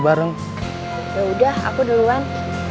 manja ya emang